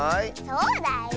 そうだよ。